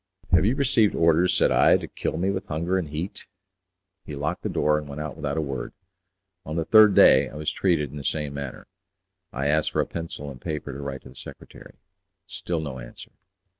"Have you received orders," said I, "to kill me with hunger and heat?" He locked the door, and went out without a word. On the third day I was treated in the same manner. I asked for a pencil and paper to write to the secretary. Still no answer.